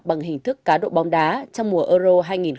bằng hình thức cá độ bóng đá trong mùa e rô hai nghìn một mươi sáu